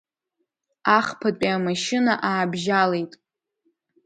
Ахԥатәи амашьына аабжьалеит.